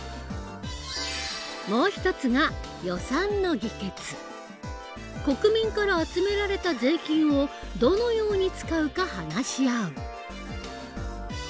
もう一つが国民から集められた税金をどのように使うか話し合う。